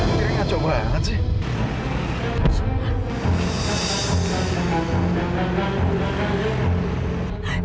ini tuh keren ngaco gue ya kan sih